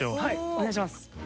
お願いします。